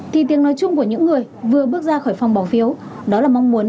thì tiếng nói chung của những người vừa bước ra khỏi phòng bỏ phiếu đó là mong muốn